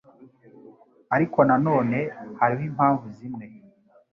Ariko nanone hariho impamvu zimwe